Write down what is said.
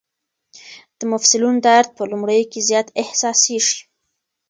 د مفصلونو درد په لومړیو کې زیات احساسېږي.